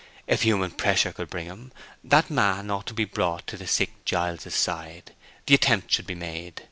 If human pressure could bring him, that man ought to be brought to the sick Giles's side. The attempt should be made.